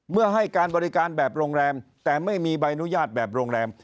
ให้การบริการแบบโรงแรมแต่ไม่มีใบอนุญาตแบบโรงแรม